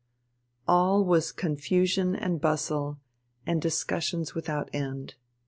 All was confusion and bustle, and discussions without end.